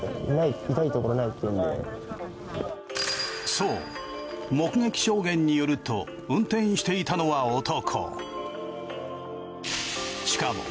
そう目撃証言によると運転していたのは男。